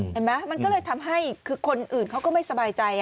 เห็นไหมมันก็เลยทำให้คือคนอื่นเขาก็ไม่สบายใจ